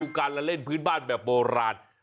การละเล่นพื้นบ้านแบบโบราณ